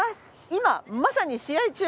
今まさに試合中。